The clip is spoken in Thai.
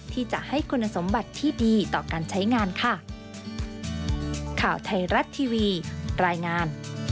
ที่จะให้คุณสมบัติที่ดีต่อการใช้งานค่ะ